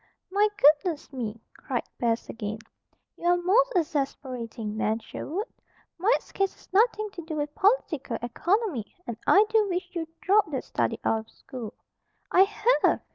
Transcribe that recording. "My goodness me!" cried Bess again. "You are most exasperating, Nan Sherwood. Mike's case has nothing to do with political Economy, and I do wish you'd drop that study out of school " "I have!"